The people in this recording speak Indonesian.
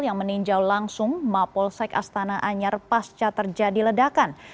yang meninjau langsung mapolsek astana anyar pasca terjadi ledakan